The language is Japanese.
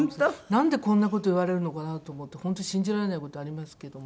なんでこんな事言われるのかなと思って本当信じられない事ありますけども。